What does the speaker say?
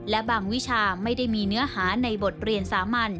และบางวิชาไม่ได้มีเนื้อหาในบทเรียนสามัญ